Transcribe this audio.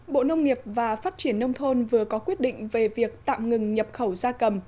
bộ nông nghiệp và phát triển nông thôn vừa có quyết định về việc tạm ngừng nhập khẩu gia cầm